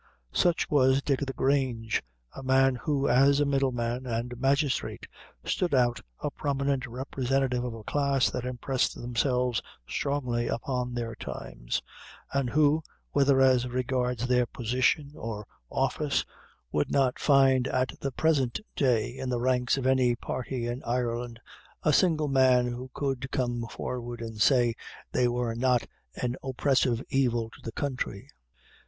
Such was Dick o' the Grange, a man who, as a middleman and a magistrate, stood out a prominent representative of a class that impressed themselves strongly upon their times, and who, whether as regards their position or office, would not find at the present day in the ranks of any party in Ireland a single man who could come forward and say they were not an oppressive evil to the country.